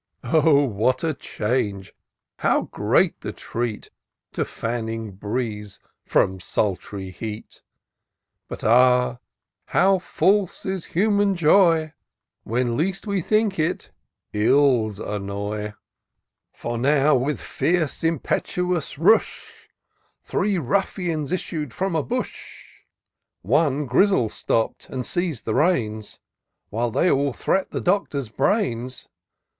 Oh ! what a change, how great the treat, To fanning breeze from sultry heat ! But, ah ! how false is human joy ! When least we think it, ills annoy : For now, with fierce impetuous rush, Three ruffians issued from a bush ; One Grizzle stopp'd, and seiz'd the reins. While they all threat the Doctor's brains.